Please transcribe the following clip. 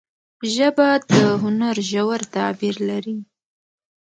ژبه د هنر ژور تعبیر لري